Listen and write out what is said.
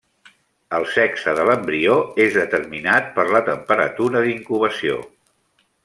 El sexe de l'embrió és determinat per la temperatura d'incubació.